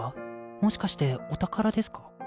もしかしてお宝ですか？